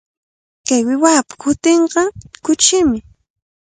Kay uywapa hutinqa kuchimi.